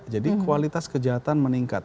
jadi kualitas kejahatan meningkat